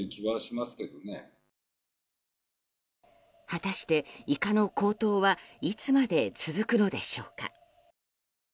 果たして、イカの高騰はいつまで続くのでしょうか。